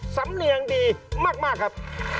สำเนียงดีมากครับ